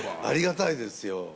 ありがたいですよ。